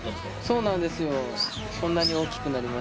そうなんですよ。